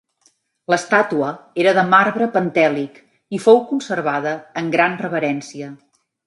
L'estàtua era de marbre pentèlic i fou conservada amb gran reverència.